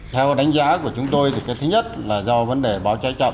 theo đánh giá của chúng tôi thứ nhất là do vấn đề báo cháy chậm